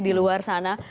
di luar sana